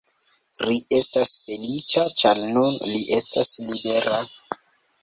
Ri estas feliĉa, ĉar nun li estas libera.